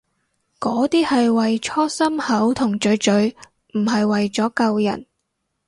嗰啲係為搓心口同嘴嘴，唔係為咗救人